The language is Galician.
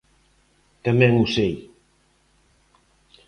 Tamén o sei.